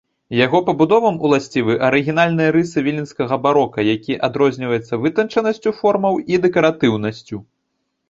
Яго пабудовам уласцівы арыгінальныя рысы віленскага барока, які адрозніваецца вытанчанасцю формаў і дэкаратыўнасцю.